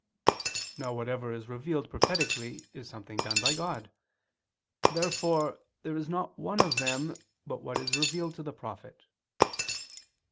Now whatever is revealed prophetically is something done by God. Therefore there is not one of them but what is revealed to the prophet.